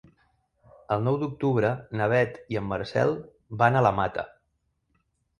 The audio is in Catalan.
El nou d'octubre na Beth i en Marcel van a la Mata.